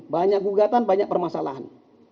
banyak gugatan banyak permasalahan